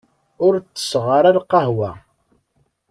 Ur tesseɣ ara lqahwa.